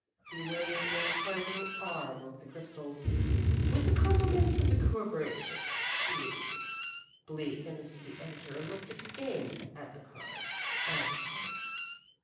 He waved an encouraging arm over the crystals. "With the compliments of the Corporation," he repeated. Bleak and the city editor looked again at the card, and at each other.